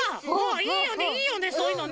いいよねいいよねそういうのね！